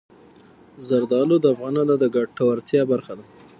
زردالو د افغانانو د ګټورتیا برخه ده.